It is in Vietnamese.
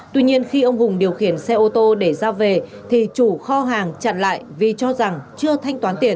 tuy nhiên khi ông hùng điều khiển xe ô tô để ra về thì chủ kho hàng chặn lại vì cho rằng chưa thanh toán tiền